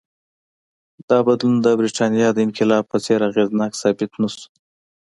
دا بدلون د برېټانیا د انقلاب په څېر اغېزناک ثابت نه شو.